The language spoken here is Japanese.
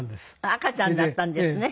赤ちゃんだったんですね。